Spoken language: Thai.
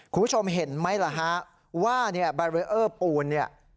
คุณผู้ชมเห็นไหมล่ะฮะว่าเนี่ยบาเรอร์ปูนเนี่ย